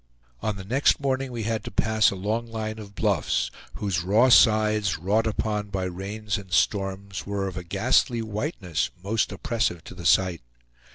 On the next morning we had to pass a long line of bluffs, whose raw sides, wrought upon by rains and storms, were of a ghastly whiteness most oppressive to the sight.